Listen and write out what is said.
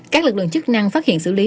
các lực lượng chức năng phát hiện xử lý